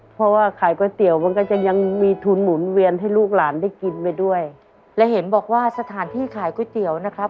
เพราะว่าขายก๋วยเตี๋ยวมันก็จะยังมีทุนหมุนเวียนให้ลูกหลานได้กินไปด้วยและเห็นบอกว่าสถานที่ขายก๋วยเตี๋ยวนะครับ